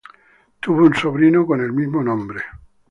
Tuvo un sobrino con el mismo nombre.